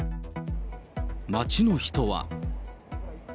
街の人は。